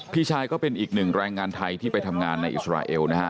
พี่ชายก็เป็นอีกหนึ่งแรงงานไทยที่ไปทำงานในอิสราเอลนะฮะ